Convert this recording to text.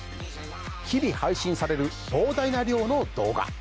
日々配信される膨大な量の動画。